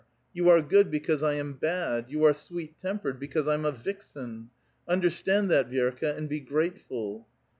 You are good because I am bad. You are sweet tempered because I am a vixen. Understand that, Vi^rka, and be grateful."